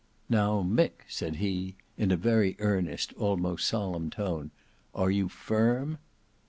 "Now, Mick," said he, in a very earnest, almost solemn tone, "are you firm?"